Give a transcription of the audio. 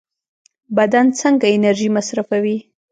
بدن څنګه انرژي مصرفوي؟